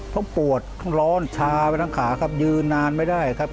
เขาปวดต้องร้อนชาไปทั้งขาครับยืนนานไม่ได้ครับ